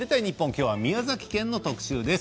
今日は宮崎県の特集です。